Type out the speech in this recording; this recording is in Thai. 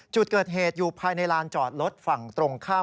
จุดเกิดเหตุอยู่ภายในลานจอดรถฝั่งตรงข้าม